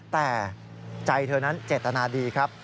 แต่ใจเธอนั้นเจตนาดีครับ